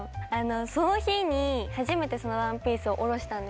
その日に初めてそのワンピースを下ろしたんですよ。